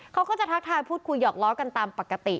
เขาก็จะทักทายพูดคุยหยอกล้อกันตามปกติ